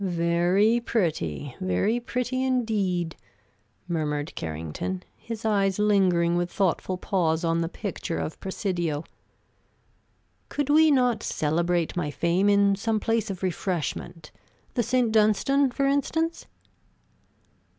"Very pretty, very pretty, indeed," murmured Carrington, his eyes lingering with thoughtful pause on the picture of Presidio. "Could we not celebrate my fame in some place of refreshment the St. Dunstan, for instance?"